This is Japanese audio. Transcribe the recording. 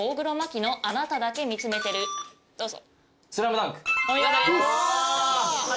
どうぞ。